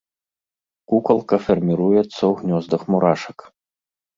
Кукалка фарміруецца ў гнёздах мурашак.